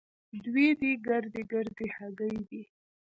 دوې دې ګردۍ ګردۍ هګۍ دي.